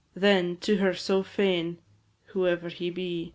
Then, to her so fain! Whoever he be, &c.